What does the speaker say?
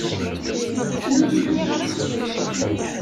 Snuzgumeɣ.